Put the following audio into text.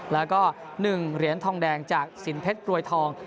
แล้วก็๑เหรียญทองแดงจากสินเพชรกรวยทอง